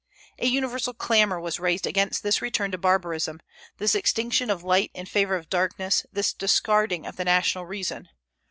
A universal clamor was raised against this return to barbarism, this extinction of light in favor of darkness, this discarding of the national reason.